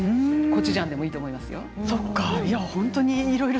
コチュジャンでもいいと思いますよ。